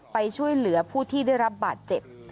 ไปช่วยเหลือผู้ที่ได้รับบาดเจ็บ